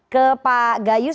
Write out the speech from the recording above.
ke pak gayus